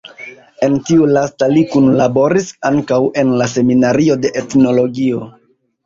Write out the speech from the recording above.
En tiu lasta li kunlaboris ankaŭ en la Seminario de Etnologio.